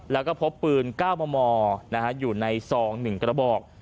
แล้วก็พบปืนก้าวมอมอนะฮะอยู่ในซองหนึ่งกระบอก